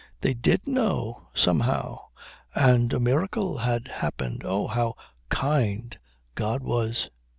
They did know. Somehow. And a miracle had happened. Oh, how kind God was!